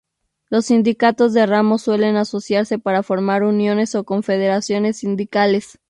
Los sindicatos de ramo suelen asociarse para formar uniones o confederaciones sindicales.